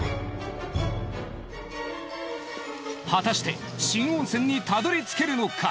果たして新温泉にたどり着けるのか。